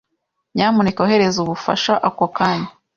Nyamuneka ohereza ubufasha ako kanya.